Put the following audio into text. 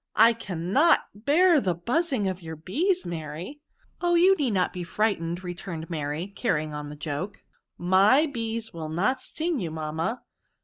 *' I cannot bear the buzzing of your bees, Maiy.*' '' Oh i you need not be frightened," re turned Mary, carrying on the joke, " my oees will not sting you, mamma.